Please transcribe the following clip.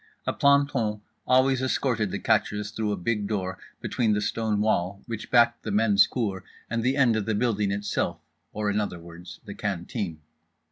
A planton always escorted the catchers through a big door, between the stone wall, which backed the men's cour and the end of the building itself, or, in other words, the canteen.